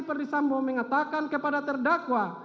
iperdisambo mengatakan kepada terdakwa